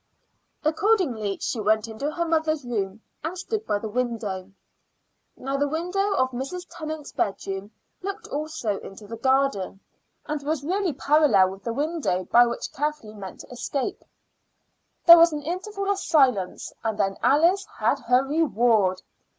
Accordingly she went into her mother's room and stood by the window. Now the window of Mrs. Tennant's bedroom looked also into the garden, and was really parallel with the window by which Kathleen meant to escape. There was an interval of silence, and then Alice had her reward!